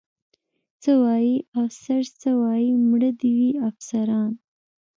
څه وایي؟ افسر څه وایي؟ مړه دې وي افسران.